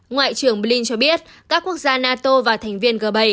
ngoại trưởng blin cho biết các quốc gia nato và thành viên g bảy